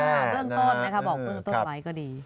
เพื่อนต้นนะคะบอกเพื่อนต้นอะไรก็ดี